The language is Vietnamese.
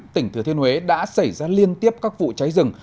tỉnh thừa thiên huế đã xảy ra liên tiếp các vụ cháy rừng